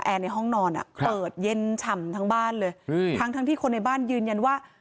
ในห้องนอนอ่ะเปิดเย็นฉ่ำทั้งบ้านเลยอืมทั้งทั้งที่คนในบ้านยืนยันว่า